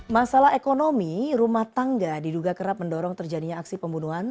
masalah ekonomi rumah tangga diduga kerap mendorong terjadinya aksi pembunuhan